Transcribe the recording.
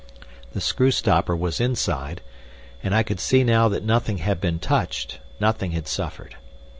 The screw stopper was inside, and I could see now that nothing had been touched, nothing had suffered.